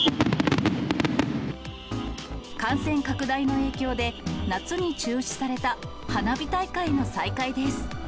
感染拡大の影響で、夏に中止された花火大会の再開です。